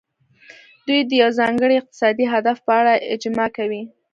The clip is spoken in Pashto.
دوی د یو ځانګړي اقتصادي هدف په اړه اجماع کوي